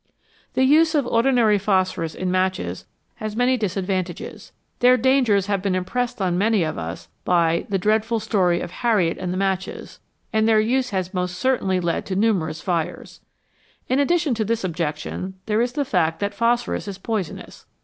The use of ordinary phosphorus in matches has many disadvantages. Their dangers have been impressed on many of us by " The Dreadful Story of Harriet and the Matches,' 1 '' and their use has most certainly led to numerous fires. In addition to this objection, there is the fact that phosphorus is poisonous.